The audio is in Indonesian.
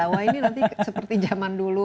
wah ini nanti seperti zaman dulu